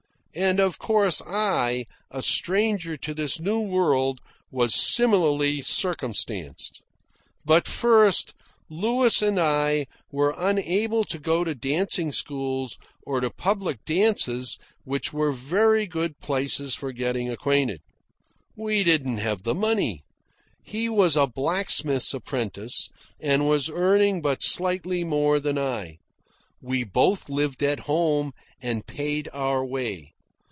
And of course, I, a stranger in this new world, was similarly circumstanced. But, further, Louis and I were unable to go to dancing schools, or to public dances, which were very good places for getting acquainted. We didn't have the money. He was a blacksmith's apprentice, and was earning but slightly more than I. We both lived at home and paid our way.